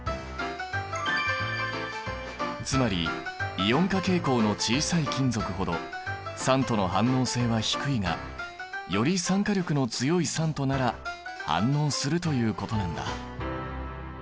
つまりイオン化傾向の小さい金属ほど酸との反応性は低いがより酸化力の強い酸となら反応するということなんだ。